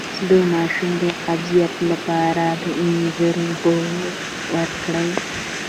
د ماشوم د قبضیت لپاره د انځر اوبه ورکړئ